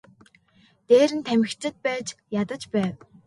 Дээр нь тамхичид байж ядаж байв.